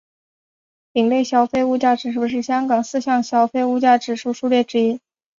丙类消费物价指数是香港四项消费物价指数数列之一。